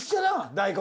大根